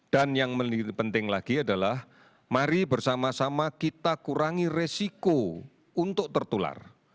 dan yang penting lagi adalah mari bersama sama kita kurangi resiko untuk tertular